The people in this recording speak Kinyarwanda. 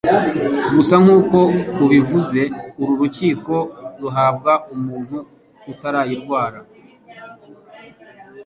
Gusa nk'uko ubivuze, uru rukingo ruhabwa umuntu utarayirwara